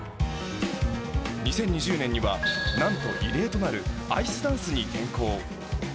２０２０年にはなんと異例となるアイスダンスに転向。